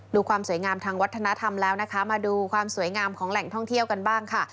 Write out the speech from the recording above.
ความสวยงามทางวัฒนธรรมแล้วนะคะมาดูความสวยงามของแหล่งท่องเที่ยวกันบ้างค่ะ